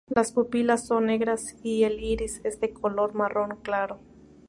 Las pupilas son negras y el iris es de color marrón claro.